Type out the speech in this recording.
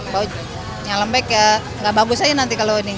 bau nya lembek ya nggak bagus aja nanti kalau ini